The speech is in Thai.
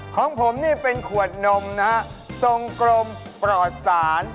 ของผมเป็นขวดนมนะศงกรมปลอดสาร